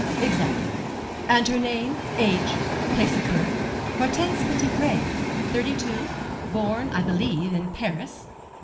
"Exactly. And her name, age, place of birth?" "Hortense Petitpré, thirty two, born, I believe, in Paris."